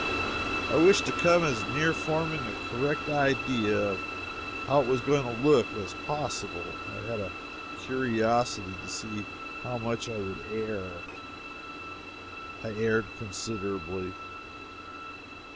I wished to come as near forming a correct idea of how it was going to look, as possible; I had a curiosity to see how much I would err. I erred considerably.